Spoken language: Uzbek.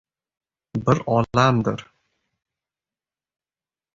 Bir olamdir